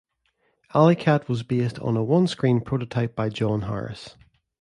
"Alley Cat" was based on a one-screen prototype by John Harris.